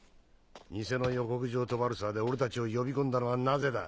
偽の予告状とワルサーで俺たちを呼び込んだのはなぜだ。